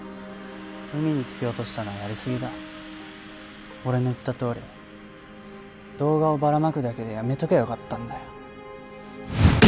海に突き落としたのはやりすぎだ俺の言ったとおり動画をばらまくだけでやめときゃよかったんだよ